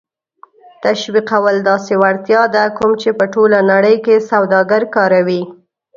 تشویقول داسې وړتیا ده کوم چې په ټوله نړۍ کې سوداګر کاروي.